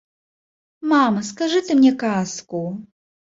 Мама, скажы ты мне казку.